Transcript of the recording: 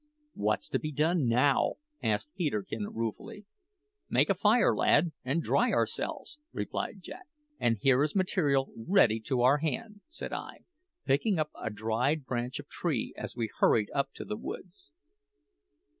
"What's to be done now?" asked Peterkin ruefully. "Make a fire, lad, and dry ourselves," replied Jack. "And here is material ready to our hand," said I, picking up a dried branch of a tree as we hurried up to the woods.